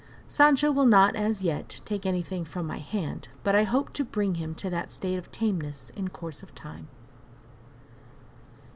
Sancho will not, as yet, take anything from my hand, but I hope to bring him to that state of tameness in course of time.